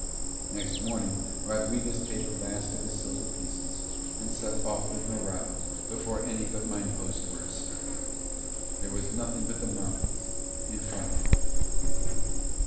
Next morning Rodriguez paid the last of his silver pieces and set off with Morano before any but mine host were astir. There was nothing but the mountains in front of them.